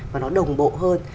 và nó đồng bộ hơn